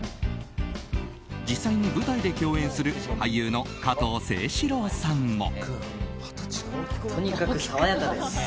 実際に舞台で共演する俳優の加藤清史郎さんも。